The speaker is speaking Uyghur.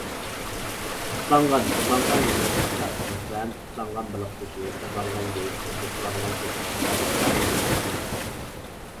ئىسلانغان، تۇزلانغان يېمەكلىكلەر، مەسىلەن: ئىسلانغان بېلىق گۆشى، تۇزلانغان گۆش، تۇزغا چىلانغان كۆكتات قاتارلىقلارنى يېمەسلىك.